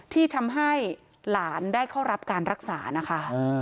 ที่ทำให้หลานได้เข้ารับการรักษานะคะ